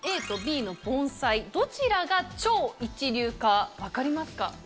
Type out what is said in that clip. ＡとＢの盆栽どちらが超一流か分かりますか？